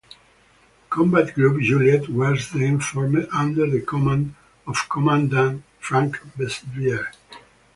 Combat Group Juliet was then formed under the command of Commandant Frank Bestbier.